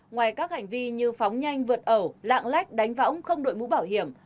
ngoài các hành vi như phóng nhanh vượt ẩu lạng lách đánh võng không đội mũ bảo hiểm